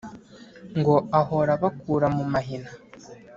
ngo ahora abakura mu mahina